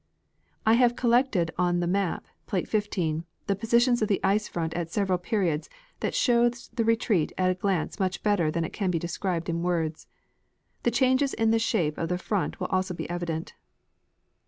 I have collected on the map (plate 15) the positions of the ice front at several periods ; this shows the retreat at a glance much better than it can be de scribed in words. The changes in the shape of the front will also be evident.